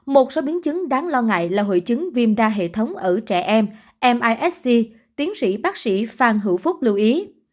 một số biến chứng đáng lo ngại là hội chứng viêm đa hệ thống ở trẻ em misc tiến sĩ bác sĩ phan hữu phúc lưu ý